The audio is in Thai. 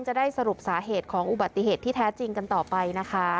จะได้สรุปสาเหตุของอุบัติเหตุที่แท้จริงกันต่อไปนะคะ